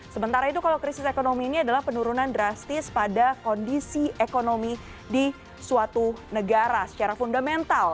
sementara itu kalau krisis ekonomi ini adalah penurunan drastis pada kondisi ekonomi di suatu negara secara fundamental